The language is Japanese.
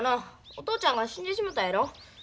お父ちゃんが死んでしもたやろ。